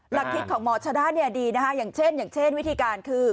หลักคิดของหมอชนะเนี่ยดีนะฮะอย่างเช่นวิธีการคือ